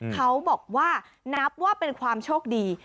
เขาบอกว่านับว่าเป็นความโชคดี